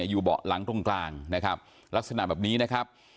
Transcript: เบาะหลังตรงกลางนะครับลักษณะแบบนี้นะครับ